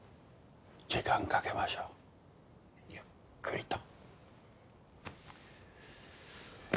時間かけましょうゆっくりと。